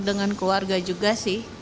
dan keluarga juga sih